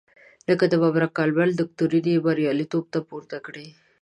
لکه د ببرک کارمل دکترین یې بریالیتوب ته پورته کړی.